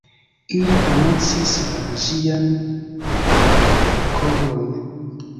Ili anoncis la ĝian malkovron.